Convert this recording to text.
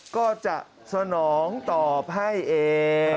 ก็จะสนองตอบให้เอง